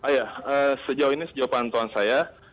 iya sejauh ini sejauh bantuan saya